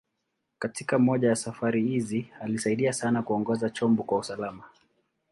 Katika moja ya safari hizi, alisaidia sana kuongoza chombo kwa usalama.